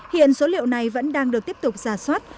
hiện số liệu này vẫn đang được tiếp tục giả soát